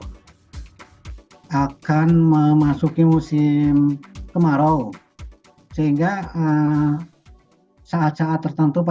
suhu di indonesia akan memasuki musim kemarau